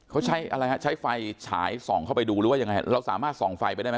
เขาใช้อะไรฮะใช้ไฟฉายส่องเข้าไปดูหรือว่ายังไงเราสามารถส่องไฟไปได้ไหม